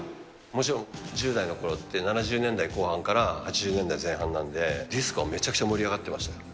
もちろん、１０代のころって、７０年代後半から８０年代前半なので、ディスコはめちゃめちゃ盛り上がってましたね。